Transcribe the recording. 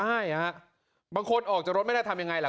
ใช่ฮะบางคนออกจากรถไม่ได้ทำยังไงล่ะ